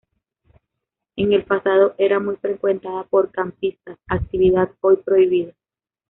En el pasado era muy frecuentada por campistas, actividad hoy prohibida.